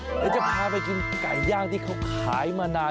ผมจะกินไก่ย่างที่เขาขายมานาน